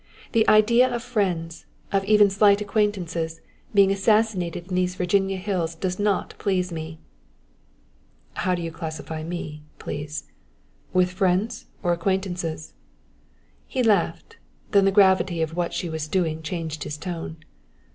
The idea of friends, of even slight acquaintances, being assassinated in these Virginia hills does not please me." "How do you classify me, please with friends or acquaintances?" He laughed; then the gravity of what she was doing changed his tone.